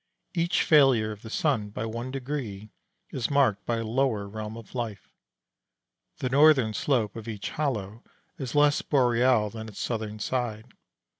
Each failure of the sun by one degree is marked by a lower realm of life. The northern slope of each hollow is less boreal than its southern side.